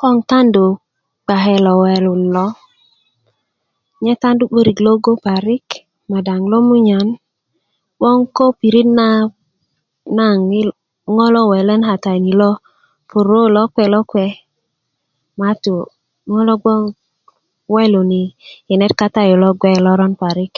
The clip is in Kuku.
koŋ tandu kpake lo welun lo nye tandu 'börik logo parik madaŋ lomunyan 'boŋ ko pirit na naŋ yil ŋo lo welan kata ni lo puruu lokpe lokpe matu ŋo lo bgoŋ lo welun kinet kata yu lo gbe loron parik